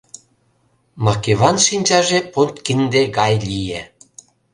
Макеван шинчаже подкинде гай лие: